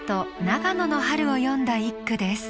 長野の春を詠んだ一句です。